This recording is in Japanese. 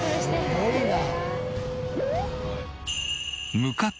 「すごいな」